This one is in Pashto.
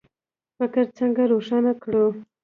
فکر څنګه روښانه کړو؟